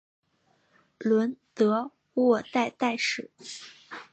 伦德沃代代什。